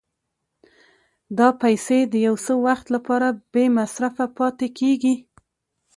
دا پیسې د یو څه وخت لپاره بې مصرفه پاتې کېږي